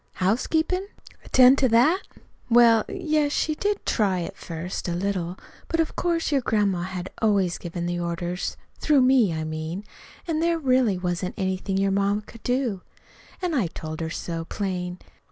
"Housekeepin'? Attend to that? Well, y yes, she did try to at first, a little; but of course your grandma had always given the orders through me, I mean; an' there really wasn't anything your ma could do. An' I told her so, plain.